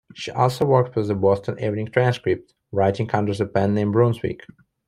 She also worked for "The Boston Evening Transcript" writing under the pen name "Brunswick.